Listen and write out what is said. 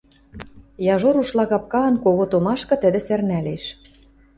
Яжо рушла капкаан кого томашкы тӹдӹ сӓрнӓлеш.